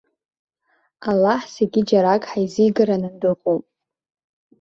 Аллаҳ зегьы џьарак ҳаизигараны дыҟоуп.